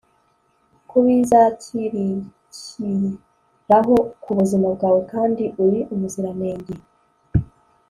kubizakirikiraho kubuzima bwawe kandi uri umuziranenge